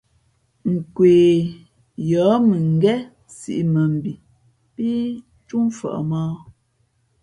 Nkwe yᾱᾱ mʉ̄ngén siʼ mά mbhi pí ǎ túmfαʼ yōh.